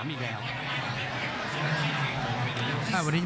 โหโหโหโหโห